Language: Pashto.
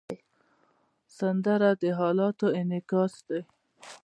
سندره د حالاتو انعکاس دی